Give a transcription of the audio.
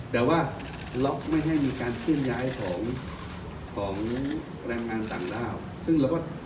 แต่ว่าล็อกดาวน์ไม่ให้มีการขึ้นย้ายของของแรงงานต่างดาวน์ซึ่งเราก็